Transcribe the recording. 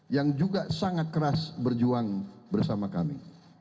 yang juga sangat keras berjuang bersama kami